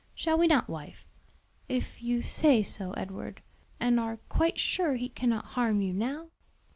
Shall we not, wife?" "If you say so, Edward, and are quite sure he cannot harm you now?"